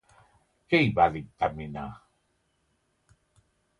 Què hi va dictaminar?